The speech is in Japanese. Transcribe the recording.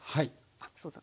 あそうだ。